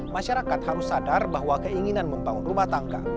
masyarakat harus sadar bahwa keinginan membangun rumah tangga